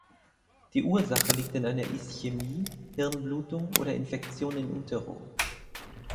Die Ursache liegt in einer Ischämie, Hirnblutung oder Infektion in utero.